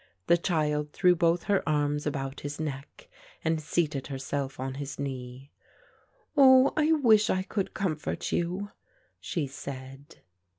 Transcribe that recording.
The child threw both her arms about his neck and seated herself on his knee. "Oh, I wish I could comfort you," she said.